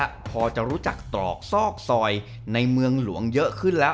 พอจะรู้จักตรอกซอกซอยในเมืองหลวงเยอะขึ้นแล้ว